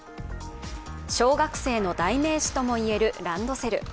小学生の代名詞ともいえるランドセル。